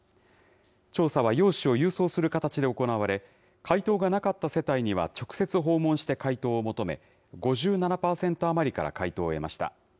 調査は用紙を郵送する形で行われ、回答がなかった世帯には、直接訪問して回答を求め、５７％余りから回答を得ました。